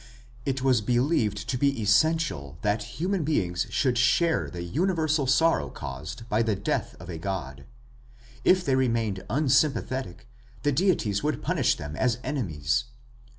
It was believed to be essential that human beings should share the universal sorrow caused by the death of a god. If they remained unsympathetic, the deities would punish them as enemies.